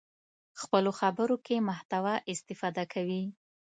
خپلو خبرو کې محتوا استفاده کوي.